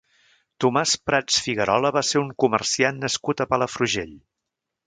Tomàs Prats Figuerola va ser un comerciant nascut a Palafrugell.